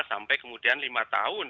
sampai kemudian lima tahun